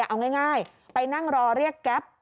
เอาง่ายไปนั่งรอเรียกแก๊ป